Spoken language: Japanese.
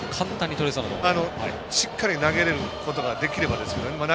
しっかり投げれることができればですけどね。